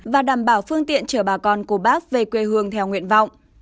và đảm bảo phương tiện chở bà con của bác về quê hương theo nguyện vọng